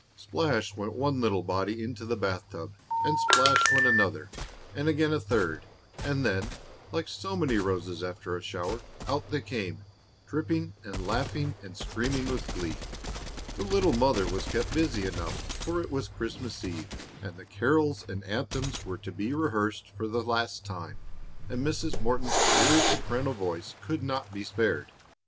Splash went one little body into the bath tub, and splash went another, and again a third; and then, like so many roses after a shower, out they came, dripping, and laughing and screaming with glee. The little mother was kept busy enough, for it was Christmas eve, and the carols and anthems were to be rehearsed for the last time, and Mrs. Morton's clear soprano voice could not be spared.